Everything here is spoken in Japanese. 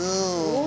お！